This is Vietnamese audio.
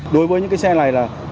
đối với những cái xe này là